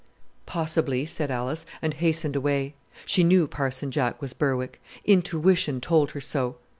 "Possibly," said Alice, and hastened away. She knew "Parson Jack" was Berwick. Intuition told her so.